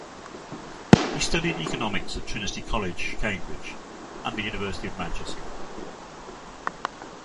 He studied Economics at Trinity College, Cambridge and the University of Manchester.